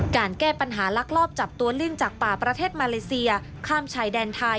การแก้ปัญหาลักลอบจับตัวลิ่งจากป่าประเทศมาเลเซียข้ามชายแดนไทย